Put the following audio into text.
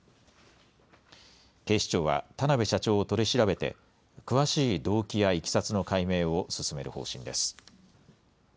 警視庁は、田邊社長を取り調べて、詳しい動機やいきさつの解明を進める方針です。